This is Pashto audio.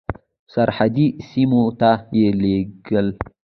سرحدي سیمو ته یې لېږل.